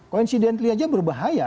coincidentally aja berbahaya